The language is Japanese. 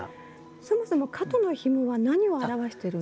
そもそも「蝌蚪の紐」は何を表してるんですか？